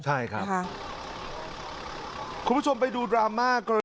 ใช่ครับ